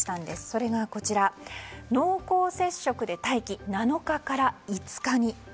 それが濃厚接触で待機７日から５日に。